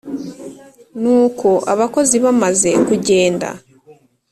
nuko abakozi bamaze kugenda